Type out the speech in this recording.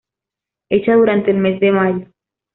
Hecha durante el mes de mayo.